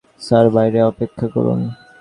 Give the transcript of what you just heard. Sir, বাইরে অপেক্ষা করুন।